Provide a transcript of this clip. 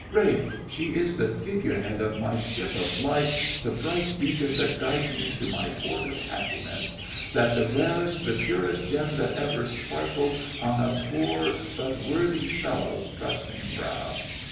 RALPH. She is the figurehead of my ship of life—the bright beacon that guides me into my port of happiness—that the rarest, the purest gem that ever sparkled on a poor but worthy fellow's trusting brow!